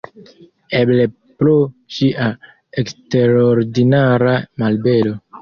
Eble pro ŝia eksterordinara malbelo.